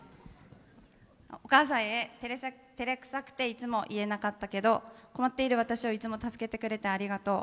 お母さんへ、てれくさくていつも言えなかったけど困っている私をいつも助けてくれてありがとう。